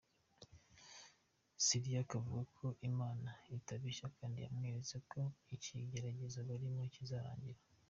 Siriac avuga ko Imana itabeshya kandi yamweretse ko ikigeragezo barimo kizarangira .